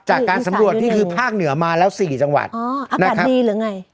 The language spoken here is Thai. จากการสำรวจนี่คือภาคเหนือมาแล้ว๔จังหวัดอ๋ออากาศดีหรือไง